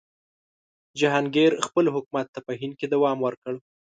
جهانګیر خپل حکومت ته په هند کې دوام ورکړ.